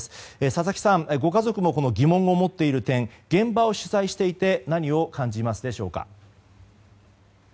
佐々木さん、ご家族も疑問を持っている点現場を取材していて何を感じますでしょうか。